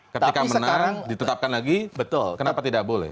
ketika menang ditetapkan lagi kenapa tidak boleh